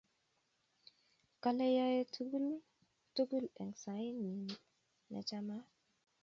Kale yoei tukul tukul eng sait nyi nechamat